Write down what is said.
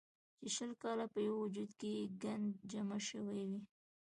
چې شل کاله پۀ يو وجود کښې ګند جمع شوے وي